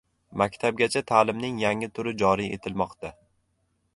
Maktabgacha ta’limning yangi turi joriy etilmoqda